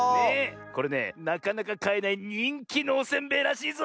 これねなかなかかえないにんきのおせんべいらしいぞ！